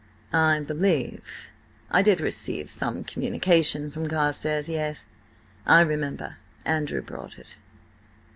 "I believe I did receive some communication from Carstares; yes— I remember, Andrew brought it."